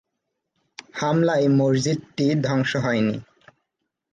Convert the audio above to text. হামলায় মসজিদটি ধ্বংস হয়নি।